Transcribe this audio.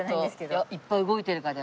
いやいっぱい動いてるからだ